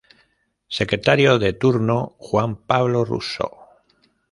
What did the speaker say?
Secretario de Turno: Juan Pablo Russo.